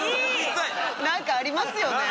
なんかありますよね。